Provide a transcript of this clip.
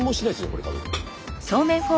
これ多分。